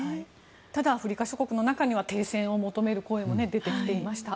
ただアフリカ諸国の中には停戦を求める声も出てきていました。